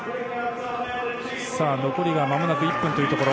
残りがまもなく１分というところ。